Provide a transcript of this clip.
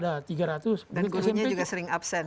tiga ratus dan gurunya juga sering absen